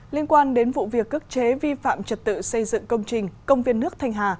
liên quan đến vụ việc cước chế vi phạm trật tự xây dựng công trình công viên nước thanh hà